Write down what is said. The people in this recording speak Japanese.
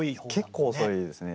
結構遅いですね。